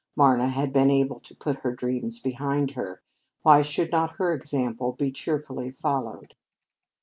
Marna had been able to put her dreams behind her; why should not her example be cheerfully followed?